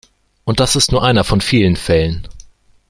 Und das ist nur einer von vielen Fällen.